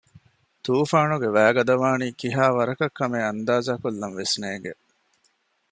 ތޫފާނުގެ ވައިގަދަވާނީ ކިހާވަރަކަށް ކަމެއް އަންދާޒާކޮށްލަންވެސް ނޭނގެ